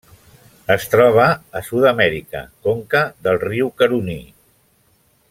Es troba a Sud-amèrica: conca del riu Caroní.